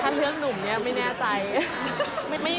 ถ้าเลือกหนุ่มเนี่ยไม่แน่ใจ